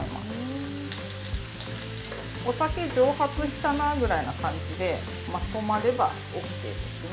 お酒蒸発したなぐらいな感じでまとまればＯＫですね。